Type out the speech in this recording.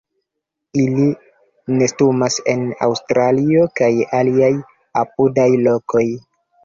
Ili nestumas en Aŭstralio, kaj aliaj apudaj lokoj.